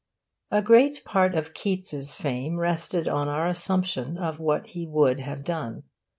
A great part of Keats' fame rests on our assumption of what he would have done.